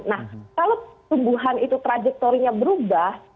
nah kalau tumbuhan itu trajektorinya berubah